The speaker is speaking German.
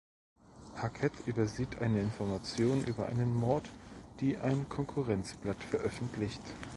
Hackett übersieht eine Information über einen Mord, die ein Konkurrenzblatt veröffentlicht.